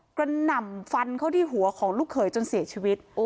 หน่ำฟันเข้าที่หัวของลูกเขยจนเสียชีวิต